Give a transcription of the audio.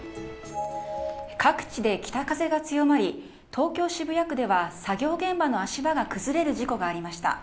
各地で北風が強まり、東京・渋谷区では作業現場の足場が崩れる事故がありました。